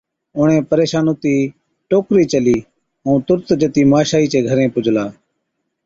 اُڻهين پريشان هُتِي ٽوڪرِي چلِي، ائُون تُرت جتِي ماشائِي چي گھرين پُجلا،